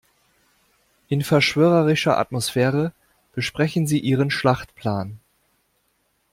In verschwörerischer Atmosphäre besprechen sie ihren Schlachtplan.